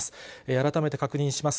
改めて確認します。